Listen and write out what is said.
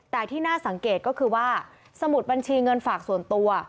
แต่ที่น่าสังเกตก็คือว่าสมุดบัญชีเงินฝากส่วนตัว